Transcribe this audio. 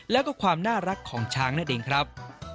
แล้วก็ความน่ารักของช้างนั่นเองครับ